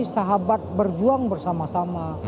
sahabat berjuang bersama sama